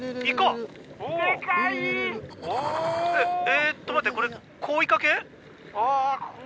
えっと待ってこれ。